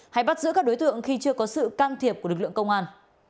hay bắt giữ các đối tượng khi chưa có sự can thiệp của lực lượng công an